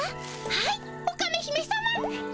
はいオカメ姫さま。